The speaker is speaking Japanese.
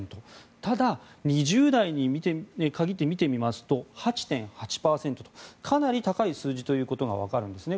ただ２０代に限って見てみますと８．８％と、かなり高い数字ということが分かるんですね。